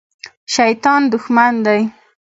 شیطان دښمن دی